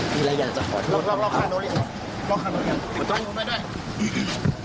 มีอะไรอยากจะขอโทษหลอกห้าน้องหน้า